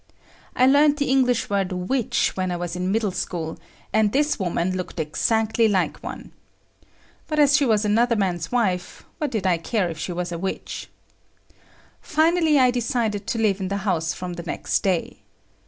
I learned the English word "witch" when I was in middle school, and this woman looked exactly like one. But as she was another man's wife, what did I care if she was a witch. Finally I decided to live in the house from the next day.